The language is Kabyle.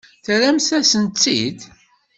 Terramt-asent-tt-id.